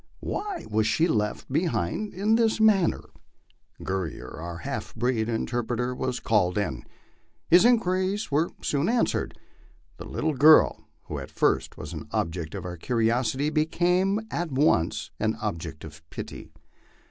Why was she left behind in this manner? Guerrier, our half breed interpret er, was called in. His inquiries were soon answered. The little girl, who at first was an object of our curiosity, became at once an object of pity.